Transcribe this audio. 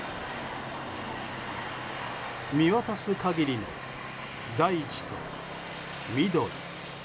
見渡す限りの大地と緑。